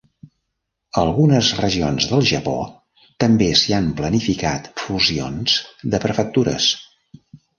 A algunes regions del Japó també s'hi han planificat fusions de prefectures.